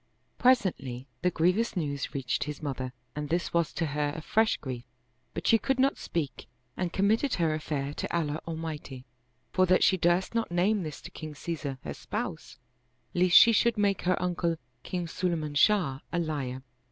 Presently, the grievous news reached his mother and this was to her a fresh grief ; but she could not speak and committed her affair to Allah Almighty, for that she durst not name this to King Caesar her spouse, lest she should make her uncle King Sulayman Shah a liar.